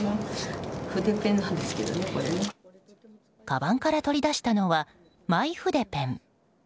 かばんから取り出したのはマイ筆ペン。